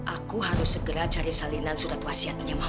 aku harus segera cari salinan surat wasiatnya mahal